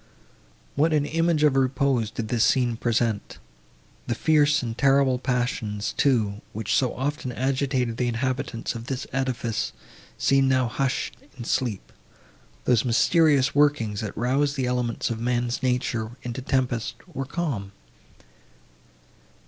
What an image of repose did this scene present! The fierce and terrible passions, too, which so often agitated the inhabitants of this edifice, seemed now hushed in sleep;—those mysterious workings, that rouse the elements of man's nature into tempest—were calm.